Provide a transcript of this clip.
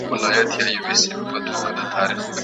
زما پر کهاله لویه سې ملاله مېړنۍ